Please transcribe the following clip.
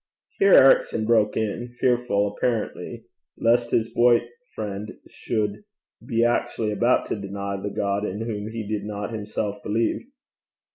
Here Ericson broke in fearful, apparently, lest his boyfriend should be actually about to deny the God in whom he did not himself believe.